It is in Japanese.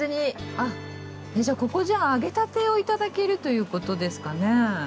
あっここじゃ揚げたてをいただけるということですかね。